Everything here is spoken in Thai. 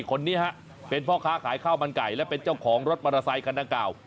คนนี้ฮะเป็นพ่อค้าขายข้าวมันไก่และเป็นเจ้าของรถมอเตอร์ไซคันดังกล่าว